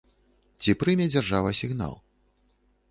Ці прыме дзяржава сігнал?